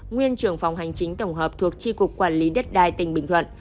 nguyên trưởng phòng hành chính tổng hợp thuộc tri cục quản lý đất đai tỉnh bình thuận